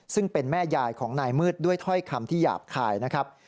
ซึ่งเป็นแม่ยายของนายมืดด้วยถ้อยคำที่หยาบคายนะครับ